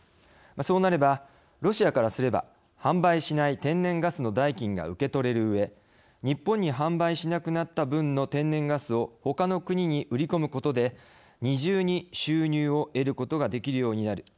そうなればロシアからすれば販売しない天然ガスの代金が受け取れるうえ日本に販売しなくなった分の天然ガスをほかの国に売り込むことで二重に収入を得ることができるようになる。